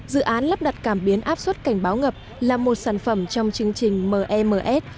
dự án lắp đặt cảm biến áp suất cảnh báo ngập là một sản phẩm trong chương trình mms